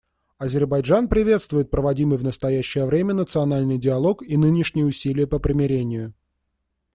Азербайджан приветствует проводимый в настоящее время национальный диалог и нынешние усилия по примирению.